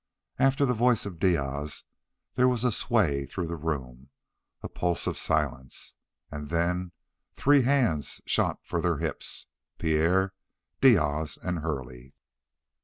After the voice of Diaz there was a sway through the room, a pulse of silence, and then three hands shot for their hips Pierre, Diaz, and Hurley.